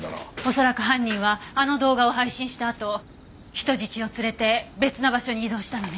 恐らく犯人はあの動画を配信したあと人質を連れて別の場所に移動したのね。